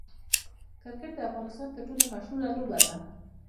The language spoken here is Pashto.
کرکټ د افغانستان تر ټولو مشهوره لوبه ده.